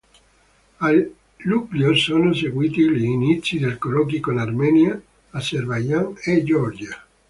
A luglio sono seguiti gli inizi dei colloqui con Armenia, Azerbaigian e Georgia.